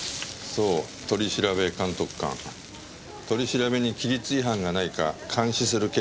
そう取調監督官取り調べに規律違反がないか監視する警察官ね。